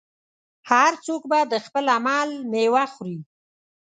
هر څوک به د خپل عمل میوه خوري.